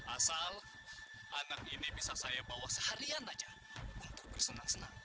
asal anak ini bisa saya bawa seharian saja untuk bersenang senang